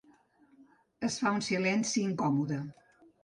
Es fa un silenci incòmode.